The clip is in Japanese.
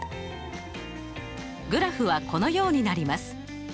グラフはこのようになります。